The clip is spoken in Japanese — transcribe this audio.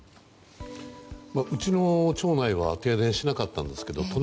うちの町内は停電しなかったんですけど